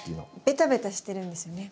ベタベタしてるんですよね？